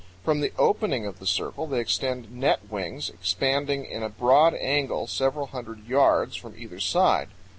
From the opening of the circle they extend net wings, expanding in a broad angle several hundred yards from either side.